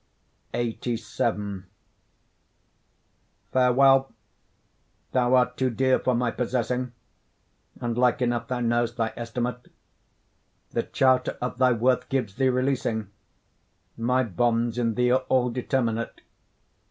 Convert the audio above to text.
LXXXVII Farewell! thou art too dear for my possessing, And like enough thou know'st thy estimate, The charter of thy worth gives thee releasing; My bonds in thee are all determinate.